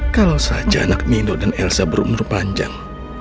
kalo saja anak mindo dan elsa berumur panjang